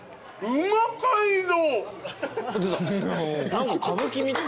うま街道？